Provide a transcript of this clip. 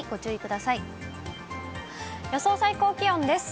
予想最高気温です。